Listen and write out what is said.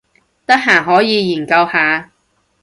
得閒可以研究下